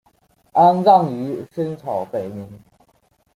安葬于深草北陵。